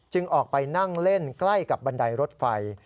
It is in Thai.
ออกไปนั่งเล่นใกล้กับบันไดรถไฟ